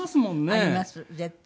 あります絶対。